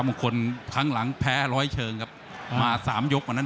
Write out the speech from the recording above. มงคลครั้งหลังแพ้ร้อยเชิงครับมาสามยกวันนั้น